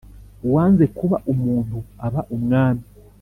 uwanze kuba umuntu aba umwami